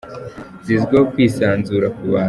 zizwiho kwisanzura ku bantu.